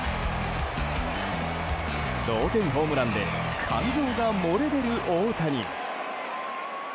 同点ホームランで感情が漏れ出る大谷。